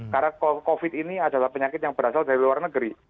karena covid ini adalah penyakit yang berasal dari luar negeri